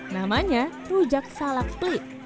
namanya rujak salak pli